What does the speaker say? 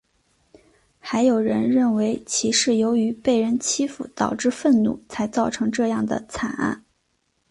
还有人认为其是由于被人欺负导致愤怒才造成这样的惨案。